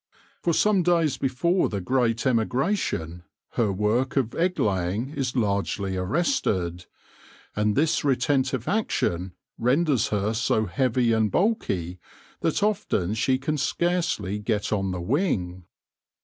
For some days before the great emigration her work of egg laying is largely arrested, and this retentive action renders her so heavy and bulky that often she can scarcely get on the wing.